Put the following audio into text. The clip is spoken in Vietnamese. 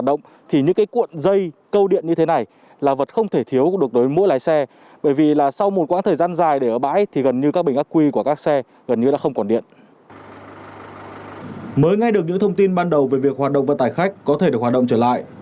mới nghe được những thông tin ban đầu về việc hoạt động vận tải khách có thể được hoạt động trở lại